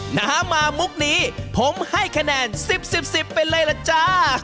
น้ำมามุกนี้ผมให้คะแนน๑๐๑๐๑๐๑๐ไปเลยล่ะจ้า